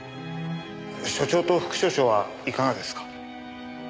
署長と副署長はいかがですか？